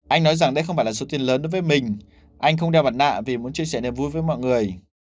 anh nói rằng đây không phải là số tiền lớn đối với mình anh không đeo mặt nạ vì muốn chia sẻ niềm vui với mọi người